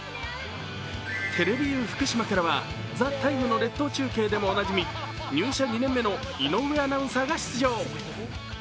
テレビユー福島からは「ＴＨＥＴＩＭＥ，」の列島中継でもおなじみ入社２年目の井上アナウンサーが出場。